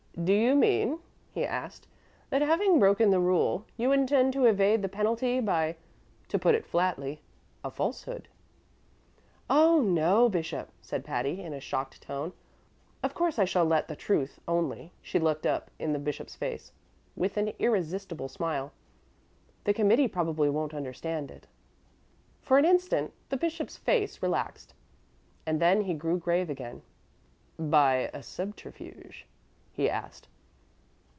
"Do you mean," he asked, "that, having broken the rule, you intend to evade the penalty by to put it flatly a falsehood?" "Oh, no, bishop," said Patty, in a shocked tone. "Of course I shall tell the truth, only" she looked up in the bishop's face with an irresistible smile "the committee probably won't understand it." For an instant the bishop's face relaxed, and then he grew grave again. "By a subterfuge?" he asked.